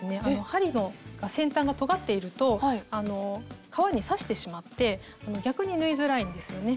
針の先端がとがっていると革に刺してしまって逆に縫いづらいんですよね。